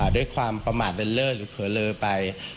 ด้วยความประมาทเลิศเลิศหรือเขลลไป